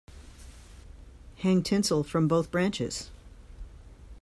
Hang tinsel from both branches.